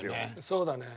そうだね。